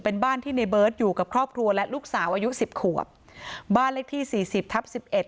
เป็นบ้านที่ในเบิร์ตอยู่กับครอบครัวและลูกสาวอายุสิบขวบบ้านเลขที่สี่สิบทับสิบเอ็ด